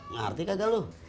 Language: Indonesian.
ngerti kagak lu